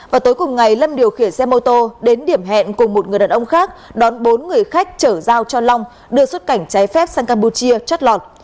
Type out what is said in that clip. và tối cùng ngày lâm điều khiển xe mô tô đến điểm hẹn cùng một người đàn ông khác đón bốn người khách chở giao cho long đưa xuất cảnh trái phép sang campuchia chất lọt